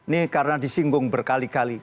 ini karena disinggung berkali kali